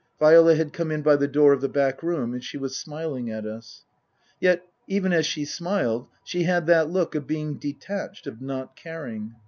Viola had come in by the door of the back room and she was smiling at us. Yet, even as she smiled, she had that look of being detached, of not caring.